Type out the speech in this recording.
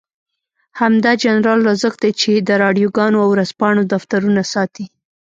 همدا جنرال رازق دی چې د راډيوګانو او ورځپاڼو دفترونه ساتي.